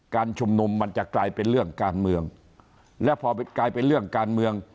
การชุมนุมมันจะกลายเป็นเรื่องการเมืองแล้วพอกลายเป็นเรื่องการเมือง